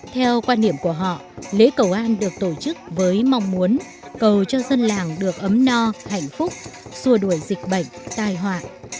theo quan niệm của họ lễ cầu an được tổ chức với mong muốn cầu cho dân làng được ấm no hạnh phúc xua đuổi dịch bệnh tai họa